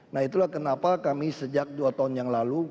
nah itulah kenapa kami sejak dua tahun yang lalu